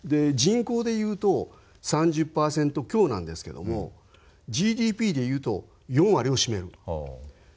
人口でいうと３０％強なんですけどＧＤＰでいうと４割を占める。